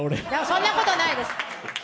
そんなことないです。